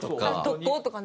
特効とかね。